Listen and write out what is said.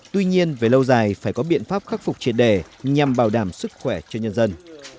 tuy nhiên về lâu dài phải có biện pháp khắc phục triệt đề nhằm bảo đảm sức khỏe cho nhân dân